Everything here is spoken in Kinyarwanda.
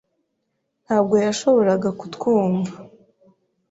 ntabwo yashoboraga kutwumva.